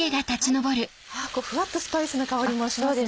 フワっとスパイスの香りもしますね。